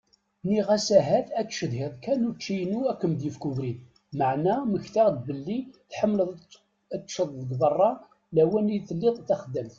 Nniɣ-as ahat ad tcedhiḍ kan učči-ynu akem-d-yefk ubrid maɛna mmektaɣ-d belli tḥemleḍ ad teččeḍ deg berra lawan i telliḍ d taxeddamt.